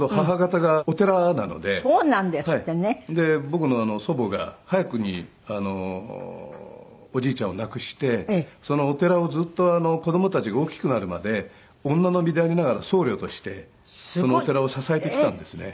僕の祖母が早くにおじいちゃんを亡くしてそのお寺をずっと子供たちが大きくなるまで女の身でありながら僧侶としてそのお寺を支えてきたんですね。